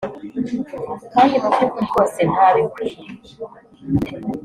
kandi mubyukuri rwose ntabikwiye